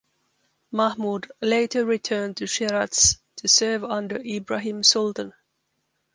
Mahmud later returned to Shiraz to serve under Ibrahim Sultan.